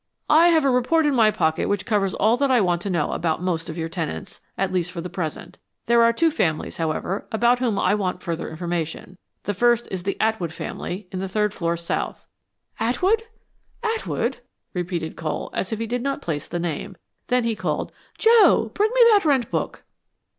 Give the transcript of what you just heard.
"I have a report in my pocket which covers all that I want to know about most of your tenants; at least for the present. There are two families, however, about whom I want further information. The first is the Atwood family, in the third floor south." "Atwood Atwood," repeated Cole, as if he did not place the name. Then he called, "Joe, bring me the rent book."